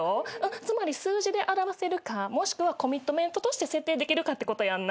つまり数字で表せるかもしくはコミットメントとして設定できるかってことやんな。